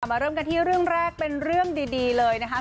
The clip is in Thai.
มาเริ่มกันที่เรื่องแรกเป็นเรื่องดีเลยนะคะ